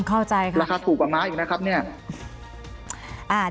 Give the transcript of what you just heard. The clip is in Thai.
ราคาถูกกว่าม้าอยู่นะครับเนี่ย